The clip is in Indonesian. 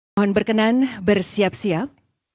mohon berkenan bersiap siap